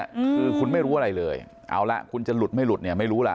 คือคุณไม่รู้อะไรเลยเอาละคุณจะหลุดไม่หลุดเนี่ยไม่รู้ล่ะ